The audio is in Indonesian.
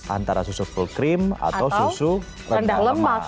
antara susu full cream atau susu rendah lemak